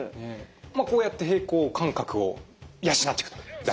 まあこうやって平衡感覚を養っていくというのが大事。